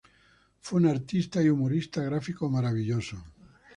Fue un artista y humorista gráfico maravilloso.